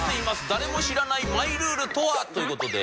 誰も知らないマイルール」とは？という事で。